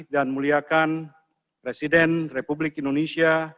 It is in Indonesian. dan muliakan presiden republik indonesia